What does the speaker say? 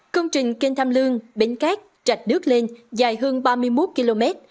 công trình kênh tham lương bến cát rạch nước lên dài hơn ba mươi một km